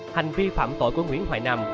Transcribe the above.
hành vi phạm tội của nguyễn hoài nam